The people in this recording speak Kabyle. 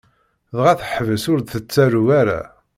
Dɣa, teḥbes ur d-tettarew ara.